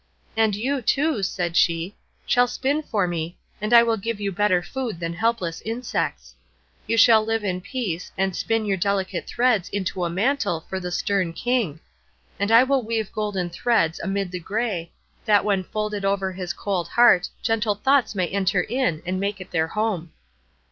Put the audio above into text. "And you too," said she, "shall spin for me, and I will give you better food than helpless insects. You shall live in peace, and spin your delicate threads into a mantle for the stern King; and I will weave golden threads amid the gray, that when folded over his cold heart gentle thoughts may enter in and make it their home."